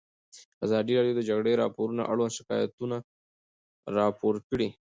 ازادي راډیو د د جګړې راپورونه اړوند شکایتونه راپور کړي.